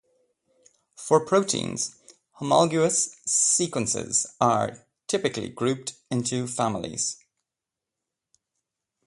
For proteins, homologous sequences are typically grouped into families.